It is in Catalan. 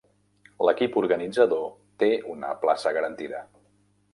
L'equip organitzador té una plaça garantida.